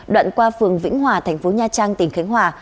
đoạn qua phường vĩnh hòa thành phố nha trang tỉnh khánh hòa